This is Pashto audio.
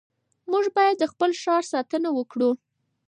موږ باید د خپل ښار ساتنه وکړو.